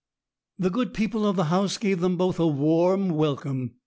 The good people of the house gave them both a warm welcome.